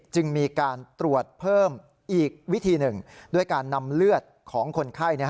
จึงมีการตรวจเพิ่มอีกวิธีหนึ่งด้วยการนำเลือดของคนไข้